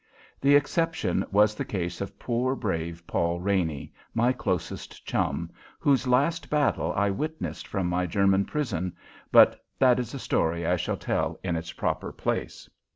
The exception was the case of poor, brave Paul Raney my closest chum whose last battle I witnessed from my German prison but that is a story I shall tell in its proper place.